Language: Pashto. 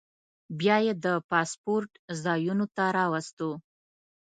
بیا یې د پاسپورټ ځایونو ته راوستو.